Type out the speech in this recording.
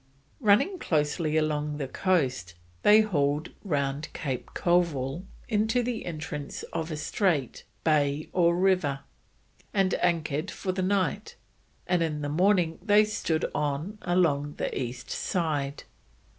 Running closely along the coast, they hauled round Cape Colville into "the Entrance of a Straight, Bay or River," and anchored for the night, and in the morning they stood on along the east side.